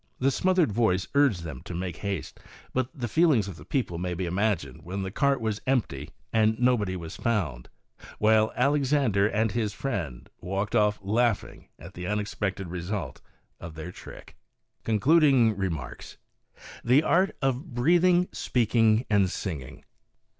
The smothered voice urged them to make haste, but the feelings of the people may be imagined when the cart was empty and nobody was found, while AND VOCAL ILLUSIONS. 53 Alexandre and his friend walked off laughing at the unexpected result of their trick. Concluding Remarks. THE ART OF BREATHING, SPEAKING AND SINGING.